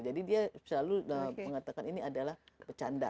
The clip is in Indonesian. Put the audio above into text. jadi dia selalu mengatakan ini adalah bercanda